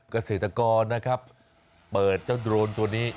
เกษตรกรนะครับเปิดเจ้าโดรนตัวนี้